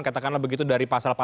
katakanlah begitu dari pasal pasal